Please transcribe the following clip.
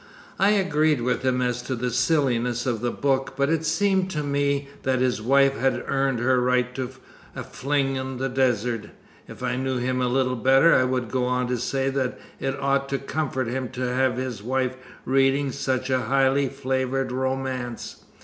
I agreed with him as to the silliness of the book, but it seemed to me that his wife had earned her right to a fling on the desert. If I knew him a little better, I would go on to say that it ought to comfort him to have his wife reading such a highly flavored romance.